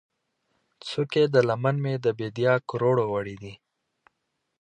څوکې د لمن مې، د بیدیا کروړو ، وړې دي